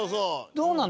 どうなの？